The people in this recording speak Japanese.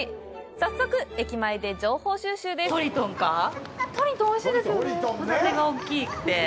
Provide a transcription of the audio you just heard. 早速、駅前で情報収集です。